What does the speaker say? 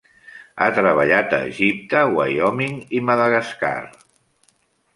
Ha treballat a Egipte, Wyoming, i Madagascar.